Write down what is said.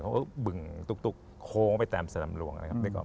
ก็เบึกตุ๊กโครงไปตามสนำลวง